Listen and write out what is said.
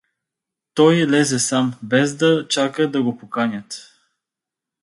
Той лезе сам, без да чака даго поканят.